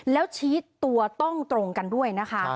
แล้วชี้ตัวต้องตรงกันด้วยนะคะ